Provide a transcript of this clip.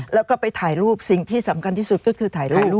แล้วก็ไปถ่ายรูปสิ่งที่สำคัญที่สุดก็คือถ่ายรูป